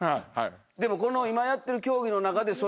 でもこの今やってる競技の中でそれ言うと。